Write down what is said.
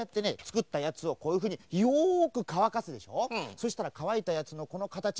そしたらかわいたやつのこのかたち